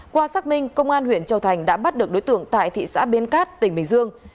qua xác minh công an huyện châu thành đã bắt được đối tượng tại thị xã biên cát tỉnh bình dương